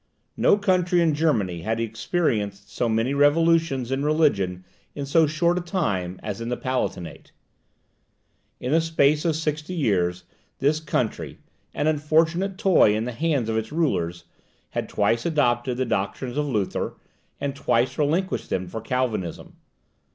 No country in Germany had experienced so many revolutions in religion in so short a time as the Palatinate. In the space of sixty years this country, an unfortunate toy in the hands of its rulers, had twice adopted the doctrines of Luther, and twice relinquished them for Calvinism.